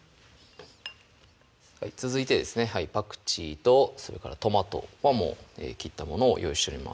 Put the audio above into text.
続いてですねパクチーとそれからトマトはもう切ったものを用意しております